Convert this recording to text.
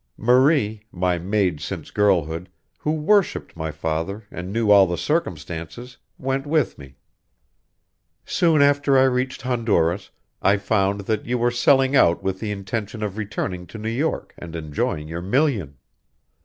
Marie, my maid since girlhood, who worshiped my father and knew all the circumstances, went with me. Soon after I reached Honduras, I found that you were selling out with the intention of returning to New York and enjoying your million.